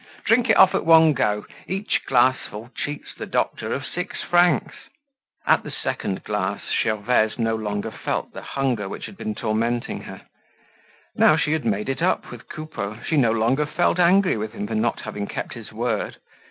Drink it off at one go. Each glassful cheats the doctor of six francs." At the second glass Gervaise no longer felt the hunger which had been tormenting her. Now she had made it up with Coupeau, she no longer felt angry with him for not having kept his word.